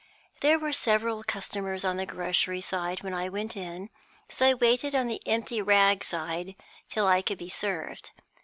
There were several customers on the grocery side when I went in, so I waited on the empty rag side till I could be served.